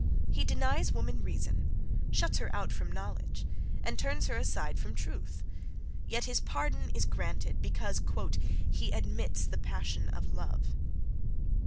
He denies woman reason, shuts her out from knowledge, and turns her aside from truth; yet his pardon is granted, because, "he admits the passion of love."